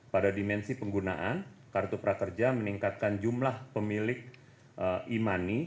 pada dimensi penggunaan kartu prakerja meningkatkan jumlah pemilik e money